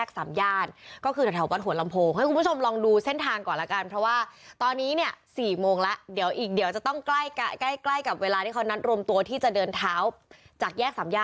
ก็ต้องดูเส้นทางหรือลงหลีกเลี่ยงกันหน่อย